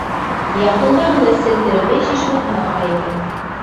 Яҡында ғына Селтербей шишмәһе аға икән.